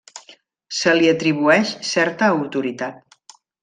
Se li atribueix certa autoritat.